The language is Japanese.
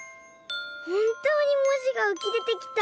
ほんとうにもじがうきでてきた。